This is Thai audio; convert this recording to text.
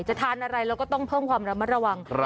จะทานอะไรเราก็ต้องเพิ่มความระมัดระวัง